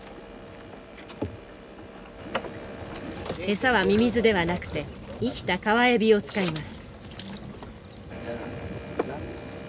餌はミミズではなくて生きた川エビを使います。